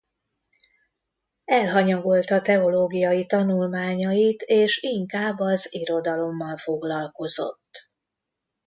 Elhanyagolta teológiai tanulmányait és inkább az irodalommal foglalkozott.